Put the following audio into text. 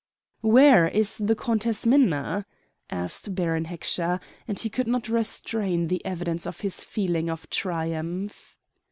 "Where is the Countess Minna?" asked Baron Heckscher; and he could not restrain the evidence of his feeling of triumph.